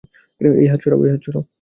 এই, হাত সরাও।